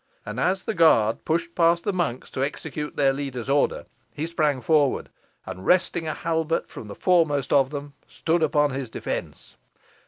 And as the guard pushed past the monks to execute their leader's order, he sprang forward, and, wresting a halbert from the foremost of them, stood upon his defence.